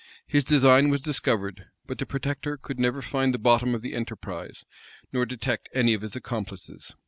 His design was discovered; but the protector could never find the bottom of the enterprise, nor detect any of his accomplices.